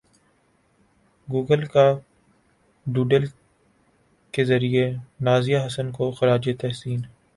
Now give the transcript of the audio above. Google کا doodle کے ذریعے نازیہ حسن کو خراج تحسین